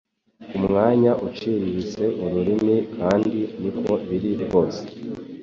Umwanya uciriritse Ururimi kandi niko biri rwose